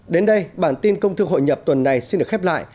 đến đây bản tin công thương hội nhập tuần này xin được khép lại